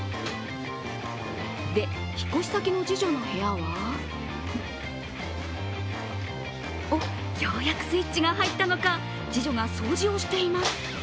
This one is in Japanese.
で、引っ越し先の次女の部屋はおっ、ようやくスイッチが入ったのか次女が掃除をしています。